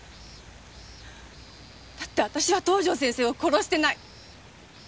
だって私は東条先生を殺してない。